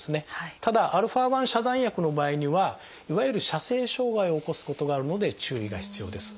ただα遮断薬の場合にはいわゆる射精障害を起こすことがあるので注意が必要です。